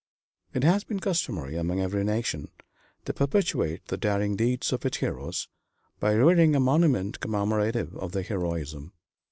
It has been customary among every nation to perpetuate the daring deeds of its heroes, by rearing a monument commemorative of their heroism.